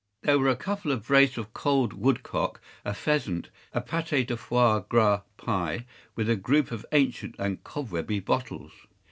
There were a couple of brace of cold woodcock, a pheasant, a pâté de foie gras pie, with a group of ancient and cobwebby bottles.